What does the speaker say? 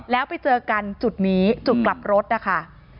แล้วไปเจอกันจุดนี้จุดกลับรถนะคะ